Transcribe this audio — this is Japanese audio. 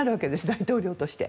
大統領として。